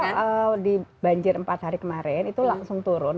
kalau di banjir empat hari kemarin itu langsung turun